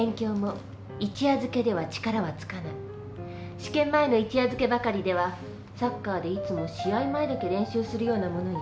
試験前の一夜漬けばかりではサッカーでいつも試合前だけ練習するようなものよ。